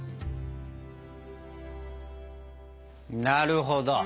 なるほど！